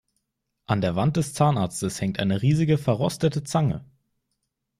An der Wand des Zahnarztes hängt eine riesige, verrostete Zange.